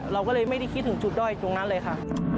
เราก็เลยไม่ได้คิดถึงจุดด้อยตรงนั้นเลยค่ะ